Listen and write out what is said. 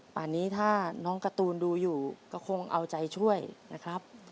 ป่านนี้ถ้าน้องการ์ตูนดูอยู่ก็คงเอาใจช่วยนะครับ